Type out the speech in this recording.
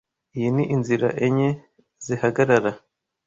Iyi ni inzira enye zihagarara.